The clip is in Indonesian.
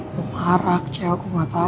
gue marah ke michelle gue gak tahu